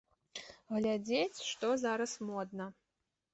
Глядзець, што зараз модна.